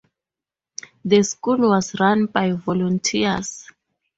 The school was run by volunteers.